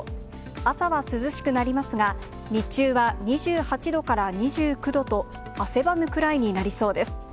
朝は涼しくなりますが、日中は２８度から２９度と、汗ばむくらいになりそうです。